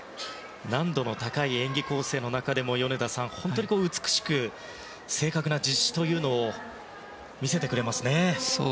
難度の高い演技構成の中でも米田さん、本当に美しく正確な実施というのを見せてくれますね。